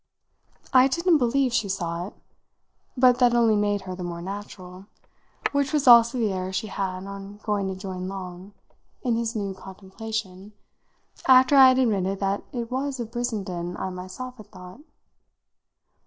I didn't believe she saw it, but that only made her the more natural; which was also the air she had on going to join Long, in his new contemplation, after I had admitted that it was of Brissenden I myself had thought.